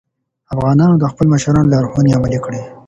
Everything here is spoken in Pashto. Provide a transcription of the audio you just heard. افغانانو د خپلو مشرانو لارښوونې عملي کړې.